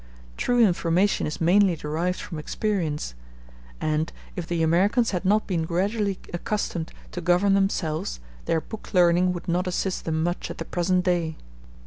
True information is mainly derived from experience; and if the Americans had not been gradually accustomed to govern themselves, their book learning would not assist them much at the present day.